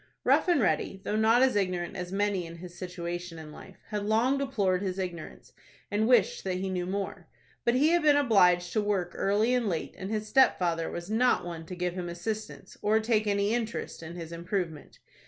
Rough and Ready, though not as ignorant as many in his situation in life, had long deplored his ignorance, and wished that he knew more. But he had been obliged to work early and late, and his stepfather was not one to give him assistance, or take any interest in his improvement.